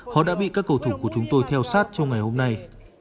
họ đã bị các cầu thủ của chúng tôi theo sát trong ngày hôm nay